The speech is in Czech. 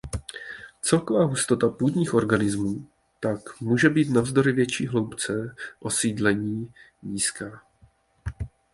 Celková hustota půdních organismů tak může být navzdory větší hloubce osídlení nízká.